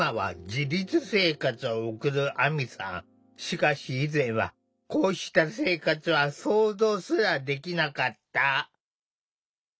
しかし以前はこうした生活は想像すらできなかった。